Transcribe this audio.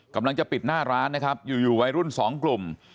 กำลังจะปิดหน้าร้านนะครับอยู่วัยรุ่นสองกลุ่ม